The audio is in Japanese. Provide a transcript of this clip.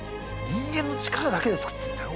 人間の力だけで作ってるんだよ